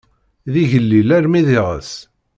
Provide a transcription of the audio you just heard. D igellil armi d iɣes.